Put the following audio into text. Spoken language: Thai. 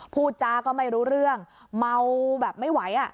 พูดจาก็ไม่รู้เรื่องเมาแบบไม่ไหว